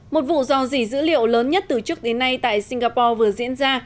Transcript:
một vụ dò dỉ dữ liệu lớn nhất từ trước đến nay tại singapore vừa diễn ra